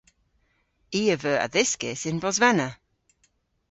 I a veu adhyskys yn Bosvena.